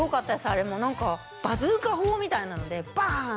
あれも何かバズーカ砲みたいなのでバーン